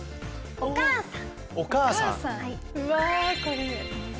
お母さん！